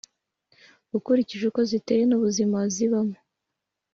Ukurikije uko ziteye n’ubuzima zibamo,